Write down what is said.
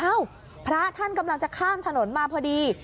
พระท่านกำลังจะข้ามถนนมาพอดี